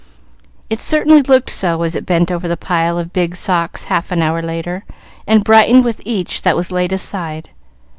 It certainly looked so as it bent over the pile of big socks half an hour later, and brightened with each that was laid aside.